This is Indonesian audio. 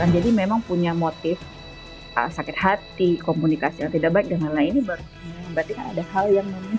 jadi memang punya motif sakit hati komunikasi yang tidak baik dengan lainnya